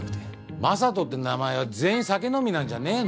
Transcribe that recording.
マサトって名前は全員酒飲みなんじゃねぇの？